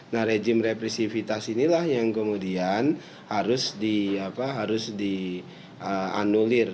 nah rejim represifitas inilah yang kemudian harus dianulir